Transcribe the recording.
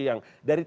yang dari tadi